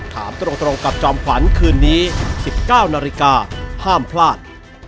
ถามตรงกับจอมขวัญคืนนี้๑๙นาฬิกาห้ามพลาด